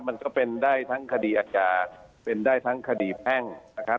มันก็เป็นได้ทั้งคดีอาการเป็นได้ทั้งคดีแพ่งนะครับ